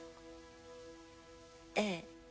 ええ。